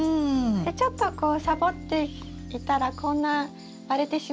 ちょっとこうサボっていたらこんな割れてしまいました。